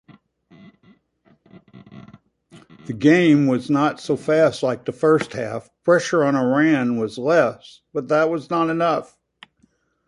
the game was not so fast like the first half, pressure on Iran was less but that was not enough